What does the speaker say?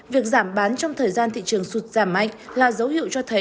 việc giảm bán trong thời gian thị trường sụt giảm mạnh là dấu hiệu cho thấy